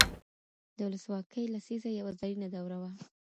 د ولسواکۍ لسيزه يوه زرينه دوره وه.